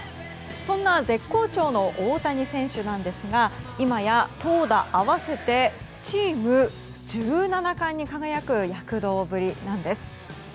そんな、絶好調の大谷選手ですが今や、投打合わせてチーム１７冠に輝く躍動ぶりなんです。